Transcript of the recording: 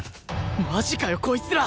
マジかよこいつら！